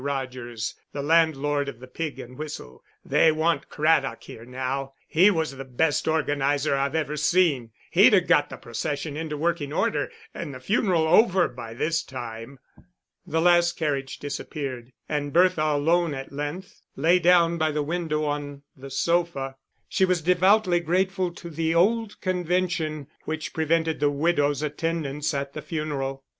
Rogers (the landlord of the Pig and Whistle), "they want Craddock here now. He was the best organiser I've ever seen; he'd have got the procession into working order and the funeral over by this time." The last carriage disappeared, and Bertha, alone at length, lay down by the window on the sofa. She was devoutly grateful to the old convention which prevented the widow's attendance at the funeral.